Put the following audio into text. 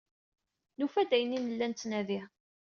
Nufa-d ayen ay nella nettnadi.